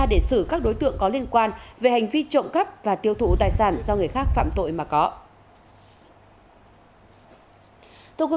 để xử các đối tượng có liên quan về hành vi trộm cắp và tiêu thụ tài sản do người khác phạm tội mà có